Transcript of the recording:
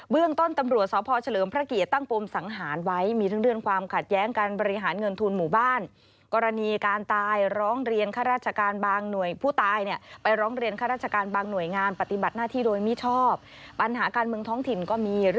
เบื้องต้นตำรวจสพเฉลิมพระเกียรติตั้งปมสังหารไว้